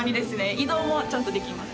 移動もちゃんとできます。